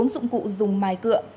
bốn dụng cụ dùng mài cựa